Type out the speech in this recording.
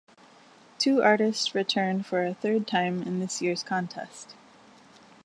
Two artists returned for a third time in this year's contest.